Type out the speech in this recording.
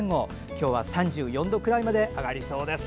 今日は３４度くらいまで上がりそうです。